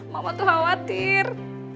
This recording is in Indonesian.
mama tuh khawatir